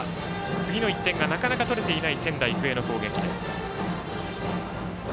次の１点がなかなか取れていない仙台育英の攻撃。